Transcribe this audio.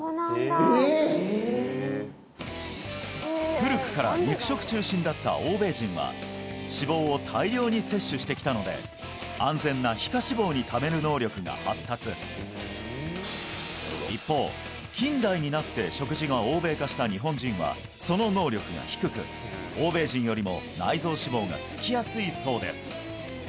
古くから肉食中心だった欧米人は脂肪を大量に摂取してきたので安全な皮下脂肪にためる能力が発達一方近代になって食事が欧米化した日本人はその能力が低く欧米人よりも内臓脂肪がつきやすいそうです